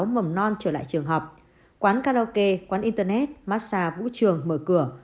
mầm non trở lại trường học quán karaoke quán internet massage vũ trường mở cửa